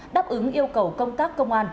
đáp ứng yêu cầu công tác công an